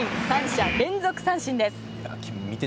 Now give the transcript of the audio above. ３者連続三振です。